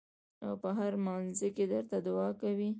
او پۀ هر مانځه کښې درته دعا کوي ـ